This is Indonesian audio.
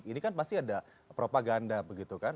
ini kan pasti ada propaganda begitu kan